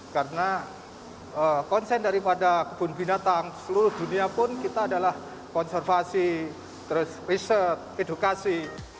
karena konsen daripada kebun binatang seluruh dunia pun kita adalah konservasi riset edukasi